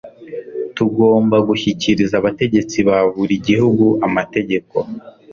tugomba gushyikiriza abategetsi ba buri gihugu amategeko